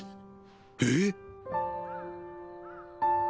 えっ！